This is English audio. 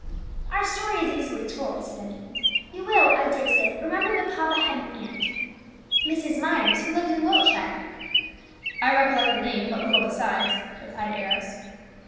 "Our story is easily told," said Emmie. "You will, I dare say, remember that papa had an aunt, Mrs. Myers, who lived in Wiltshire." "I recollect the name, but little besides," replied Arrows.